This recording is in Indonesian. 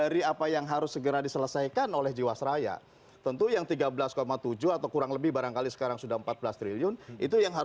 ragu ada apa sehingga